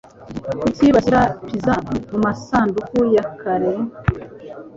Kuki bashyira pizza mumasanduku ya kare?